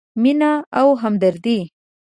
مینه او همدردي: